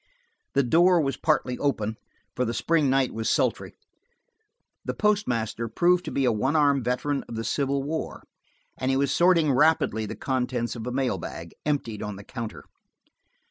The door was partly open, for the spring night was sultry. The postmaster proved to be a one armed veteran of the Civil War, and he was sorting rapidly the contents of a mail bag, emptied on the counter.